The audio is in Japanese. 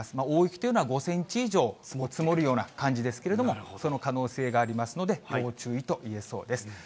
大雪というのは５センチ以上積もるような感じですけれども、その可能性がありますので、要注意といえそうです。